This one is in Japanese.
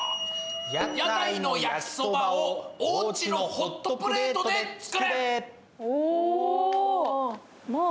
「屋台の焼きそばをおうちのホットプレートでつくれ！」。